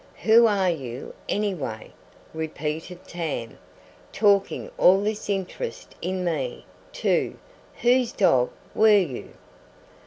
"Who are you, anyway?" repeated Tam. "Talking all this interest in me, too. Whose dog were you?"